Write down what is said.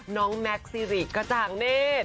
น้องแมคซีริกกระจ่างเนธ